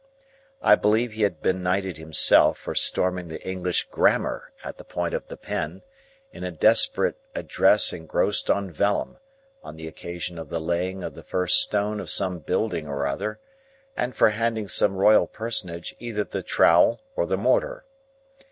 I believe he had been knighted himself for storming the English grammar at the point of the pen, in a desperate address engrossed on vellum, on the occasion of the laying of the first stone of some building or other, and for handing some Royal Personage either the trowel or the mortar.